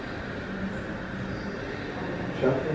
CHAPTER 9.